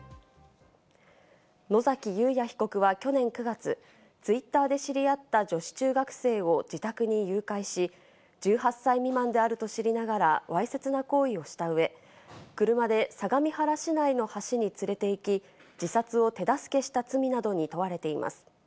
野崎祐也被告は去年９月、Ｔｗｉｔｔｅｒで知り合った女子中学生を自宅に誘拐し、１８歳未満であると知りながらわいせつな行為をした上、車で相模原市内の橋に連れて行き、自殺を手助けした罪などに問われています。